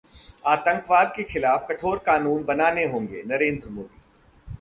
आतंकवाद के खिलाफ कठोर कानून बनाने होंगे: नरेंद्र मोदी